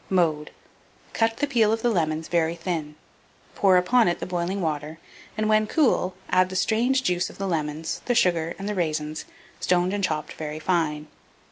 Mode. Cut the peel of the lemons very thin, pour upon it the boiling water, and, when cool, add the strained juice of the lemons, the sugar, and the raisins, stoned and chopped very fine.